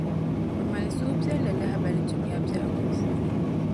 Bɛ mali suhupiεlli lahibali Dunia bɛhigu puuni.